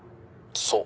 そう。